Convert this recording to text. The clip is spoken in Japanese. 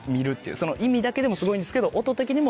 その意味だけでもすごいんですけど音的にも。